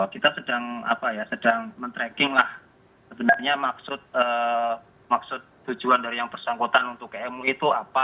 kita sedang men tracking lah sebenarnya maksud tujuan dari yang persangkutan untuk mui itu apa